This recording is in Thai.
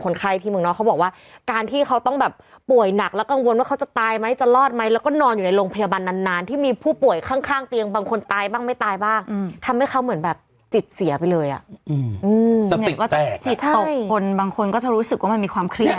ในตอนนี้ก็จะมีจิตตกคนบางคนจะรู้สึกมีความเครียด